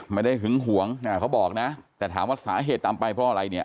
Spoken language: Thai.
หึงหวงเขาบอกนะแต่ถามว่าสาเหตุตามไปเพราะอะไรเนี่ย